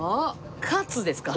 カツですか？